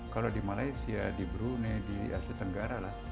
kalau di malaysia di brunei di asia tenggara lah